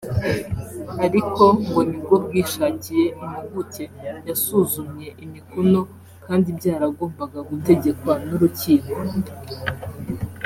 ariko ngo nibwo bwishakiye impuguke yasuzumye imikono kandi byaragombaga gutegekwa n’urukiko